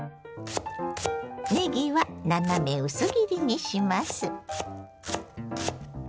ねぎは斜め薄切りにします。